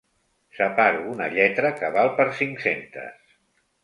Separo una lletra que val per cinc-centes.